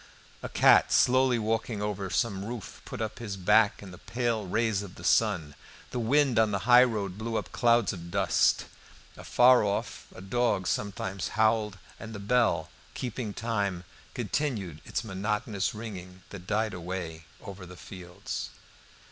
A cat slowly walking over some roof put up his back in the pale rays of the sun. The wind on the highroad blew up clouds of dust. Afar off a dog sometimes howled; and the bell, keeping time, continued its monotonous ringing that died away over the fields.